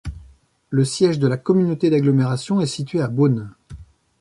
Le siège de la communauté d'agglomération est situé à Beaune.